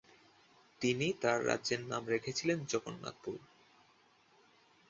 তিনি তার রাজ্যের নাম রেখেছিলেন জগন্নাথপুর।